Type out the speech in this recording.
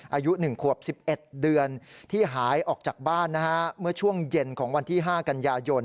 อายุ๑ขวบ๑๑เดือนที่หายออกจากบ้านนะฮะเมื่อช่วงเย็นของวันที่๕กันยายน